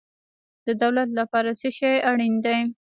د دولت لپاره څه شی اړین دی؟